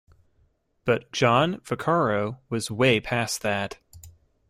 But John Vaccaro was way past that.